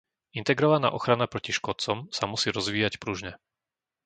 Integrovaná ochrana proti škodcom sa musí rozvíjať pružne.